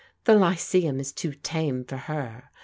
"The Lyceum is too tame for her.